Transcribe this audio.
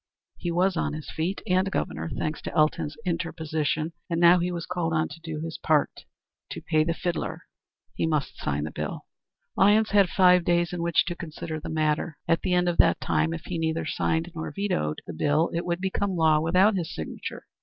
He was on his feet and Governor, thanks to Elton's interposition, and now he was called on to do his part to pay the fiddler. He must sign the bill. Lyons had five days in which to consider the matter. At the end of that time if he neither signed nor vetoed the bill, it would become law without his signature.